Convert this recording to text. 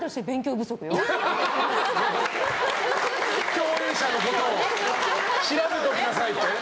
共演者のことを調べときなさいって？